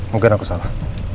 mungkin aku salah